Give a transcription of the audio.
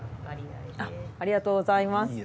ありがとうございます。